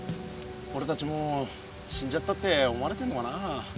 おれたちもう死んじゃったって思われてんのかなあ。